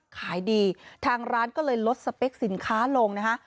ขายดีทางร้านก็เลยลดสเปคสินค้าลงนะฮะ